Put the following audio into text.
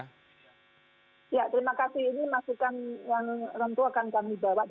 terima kasih ini masukkan